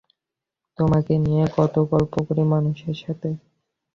তোমাকে নিয়ে কত গল্প করি মানুষের সাথে।